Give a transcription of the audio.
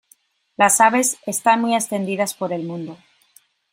Las aves están muy extendidas por el mundo.